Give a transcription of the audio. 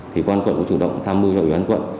thì quan quận cũng chủ động tham mưu cho ủy ban quận